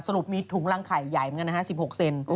รุปมีถุงรังไข่ใหญ่เหมือนกันนะฮะ๑๖เซน